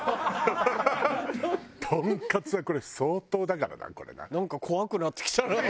トンカツはこれ相当だからなこれな。